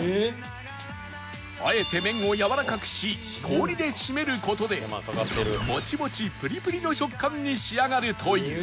あえて麺をやわらかくし氷でシメる事でモチモチプリプリの食感に仕上がるという